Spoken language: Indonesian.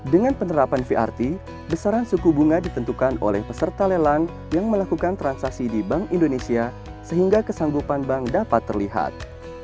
dengan penerapan vrt besaran suku bunga ditentukan oleh peserta lelang yang melakukan transaksi di bank indonesia sehingga kesanggupan bank dapat terlihat